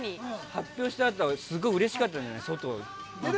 発表したあとはうれしかったんじゃない？